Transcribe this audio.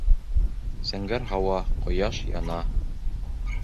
Зәңгәр һауа, ҡояш яна...